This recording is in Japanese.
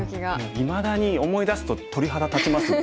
いまだに思い出すと鳥肌立ちますもん。